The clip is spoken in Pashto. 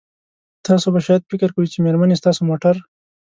تاسو به شاید فکر کوئ چې میرمنې ستاسو موټر